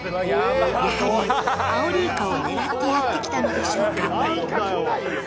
やはりアオリイカを狙ってやってきたのでしょうか。